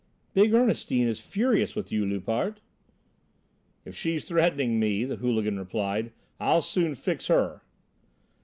"Big Ernestine is furious with you, Loupart." "If she's threatening me," the hooligan replied, "I'll soon fix her."